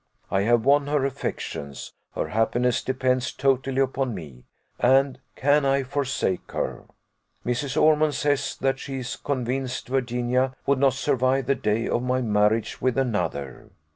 I have won her affections; her happiness depends totally upon me; and can I forsake her? Mrs. Ormond says, that she is convinced Virginia would not survive the day of my marriage with another.